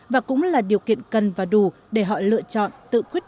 và cũng là điều kiện cần và đủ để họ lựa chọn tự khuyết tật